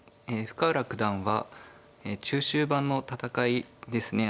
深浦九段は中終盤の戦いですね